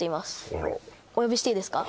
あらお呼びしていいですか？